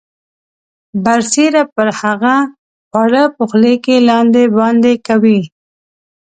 برسیره پر هغه خواړه په خولې کې لاندې باندې کوي.